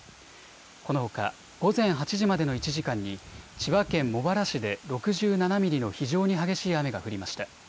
このほか午前８時までの１時間に千葉県茂原市で６７ミリの非常に激しい雨が降りました。